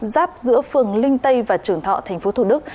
giáp giữa phường linh tây và trưởng thọ thành phố thủ đức